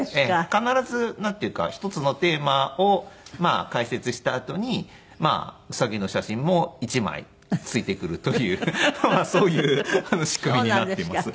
必ずなんていうか一つのテーマを解説したあとにウサギの写真も１枚ついてくるというそういう仕組みになっています。